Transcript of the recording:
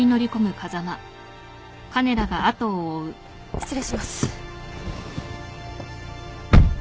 失礼します。